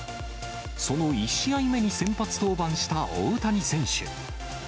その１試合目に先発登板した大谷選手。